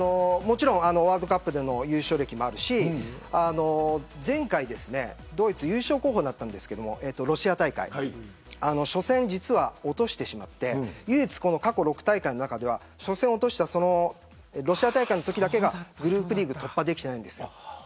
もちろんワールドカップでの優勝歴もあるし前回、ドイツは優勝候補だったんですがロシア大会で初戦、実は落としてしまって唯一、過去６大会の中では初戦を落としたロシア大会のときだけがグループリーグ突破できていないんです。